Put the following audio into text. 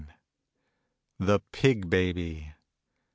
THE PIG BABY.